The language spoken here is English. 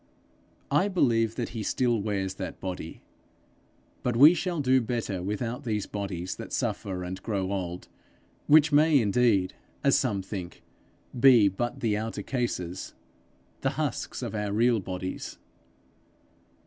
I believe that he still wears that body. But we shall do better without these bodies that suffer and grow old which may indeed, as some think, be but the outer cases, the husks of our real bodies.